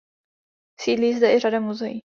Sídlí zde i řada muzeí.